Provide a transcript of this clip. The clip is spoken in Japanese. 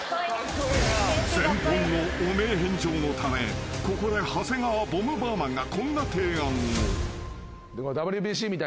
［全ポンの汚名返上のためここで長谷川ボムバーマンがこんな提案を］